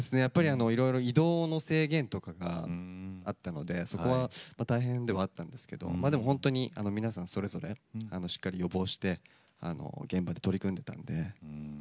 やっぱりいろいろ移動の制限とかがあったのでそこは大変ではあったんですけどでもほんとに皆さんそれぞれしっかり予防して現場で取り組んでたんで。